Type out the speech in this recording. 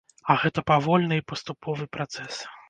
А гэта павольны і паступовы працэс.